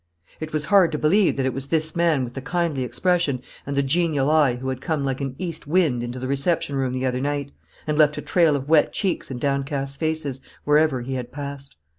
It was hard to believe that it was this man with the kindly expression and the genial eye who had come like an east wind into the reception room the other night, and left a trail of wet cheeks and downcast faces wherever he had passed.